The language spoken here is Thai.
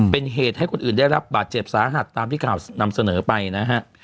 เป็นเหตุให้คนอื่นได้รับบาดเจ็บสาหัสตามที่ข่าวนำเสนอไปนะฮะ